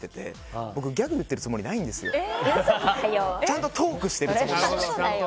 僕、ギャグ言ってるつもりないんですよ。ちゃんとトークしてるつもりなんです。